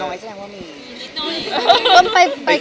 น้อยแสดงว่ามี